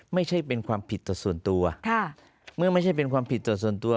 ไม่ใช่เป็นความผิดต่อส่วนตัวค่ะเมื่อไม่ใช่เป็นความผิดต่อส่วนตัว